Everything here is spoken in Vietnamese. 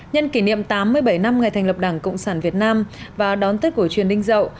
nhân kỷ niệm tám mươi bảy năm ngày thành lập đảng cộng sản việt nam và đón tết cổ truyền ninh dậu